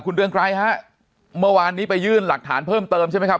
คุณเรืองไกรฮะเมื่อวานนี้ไปยื่นหลักฐานเพิ่มเติมใช่ไหมครับ